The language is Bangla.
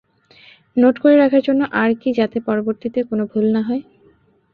নোট করে রাখার জন্য আর কি যাতে পরবর্তীতে কোন ভুল না হয়।